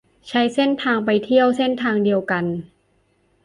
ใช้เส้นทางไปเที่ยวเส้นทางเดียวกัน